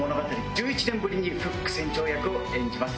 １１年ぶりにフック船長役を演じます。